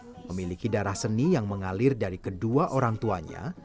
yang memiliki darah seni yang mengalir dari kedua orang tuanya